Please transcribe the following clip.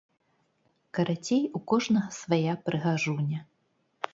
Карацей, у кожнага свая прыгажуня!